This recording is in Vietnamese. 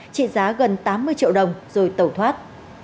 trị giá gần tám mươi triệu đồng rồi tẩu thoát